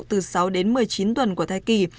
từ sáu đến một mươi chín tuần của thai kỳ